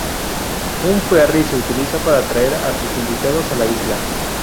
Un ferry se utiliza para traer a sus invitados a la isla.